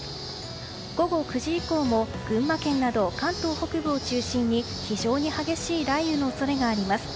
午後９時以降も群馬県など関東北部を中心に非常に激しい雷雨の恐れがあります。